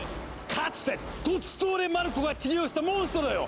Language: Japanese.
かつてドツトーレ・マルコが治療したモンストロよ！